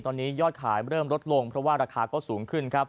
ตอนนี้ยอดขายเริ่มลดลงราคาก็สูงขึ้น